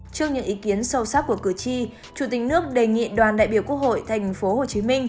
trước những ý kiến sâu sắc của cử tri chủ tịch nước đề nghị đoàn đại biểu quốc hội tp hcm